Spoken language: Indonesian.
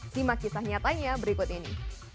simak kisah nyatanya berikut ini